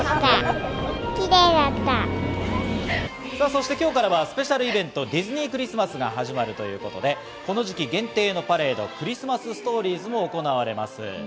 そして今日からはスペシャルイベント、ディズニー・クリスマスが始まるということで、この時期限定のパレード、クリスマス・ストーリーズも行われます。